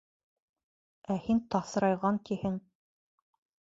Ә һин таҫрайған тиһең?